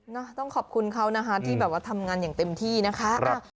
ต้องขอบคุณเขานะคะที่แบบว่าทำงานอย่างเต็มที่นะคะ